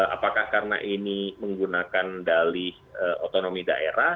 apakah karena ini menggunakan dalih otonomi daerah